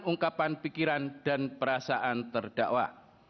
ungkapan pikiran dan perasaan terdakwa